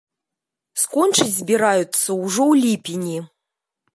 Скончыць збіраюцца ўжо ў ліпені!